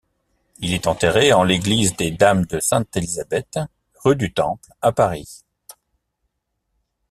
Il est enterré en l'église des Dames de Sainte-Elizabeth, rue du Temple à Paris.